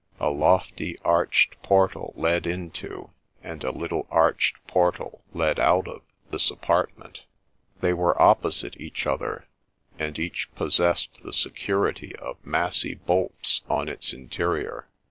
A lofty arched portal led into, and a little arched portal led out of, this apartment ; they were opposite each other, and each possessed the security of massy bolts on its interior.